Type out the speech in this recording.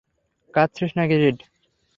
কাঁদছিস নাকি, রীড?